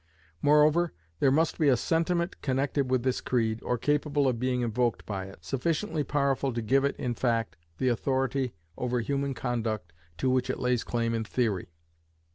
Moreover, there must be a sentiment connected with this creed, or capable of being invoked by it, sufficiently powerful to give it in fact, the authority over human conduct to which it lays claim in theory.